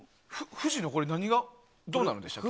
富士の何がどうなるんでしたっけ？